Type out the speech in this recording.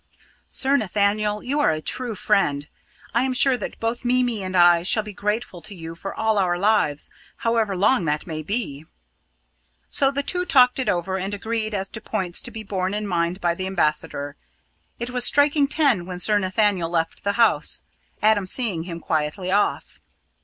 "Sir Nathaniel, you are a true friend; I am sure that both Mimi and I shall be grateful to you for all our lives however long they may be!" So the two talked it over and agreed as to points to be borne in mind by the ambassador. It was striking ten when Sir Nathaniel left the house, Adam seeing him quietly off.